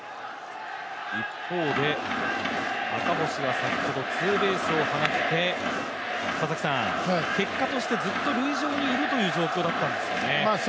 一方で赤星は先ほどツーベースを放って、結果としてずっと塁上にいるという状況だったんですよね。